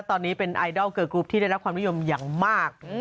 ตอนนี้เป็นไอดอลเกอร์กรุ๊ปที่ได้รับความนิยมอย่างมาก